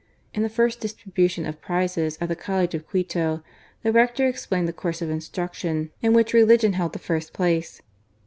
In the first distribution of prizes at the College of Quito, the Rector explained the course of instruction, in which religion held the first place.